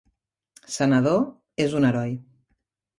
Senador, és un heroi.